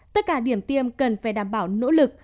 tất cả điểm tiêm cần phải đảm bảo nỗ lực